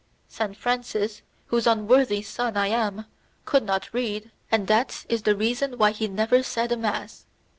Saint Francis, whose unworthy son I am, could not read, and that is the reason why he never said a mass.